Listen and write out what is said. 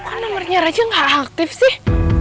kok nomernya raja nggak aktif sih